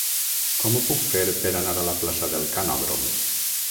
Com ho puc fer per anar a la plaça del Canòdrom?